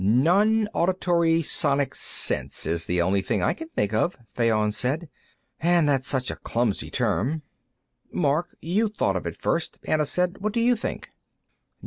"Nonauditory sonic sense is the only thing I can think of," Fayon said. "And that's such a clumsy term." "Mark; you thought of it first," Anna said. "What do you think?"